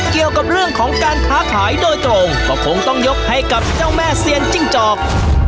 เกี่ยวกับเรื่องของการค้าขายโดยตรงก็คงต้องยกให้กับเจ้าแม่เซียนจิ้งจอก